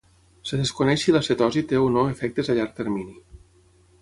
Es desconeix si la cetosi té o no efectes a llarg termini.